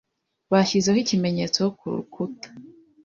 Bashyizeho ikimenyetso kurukuta .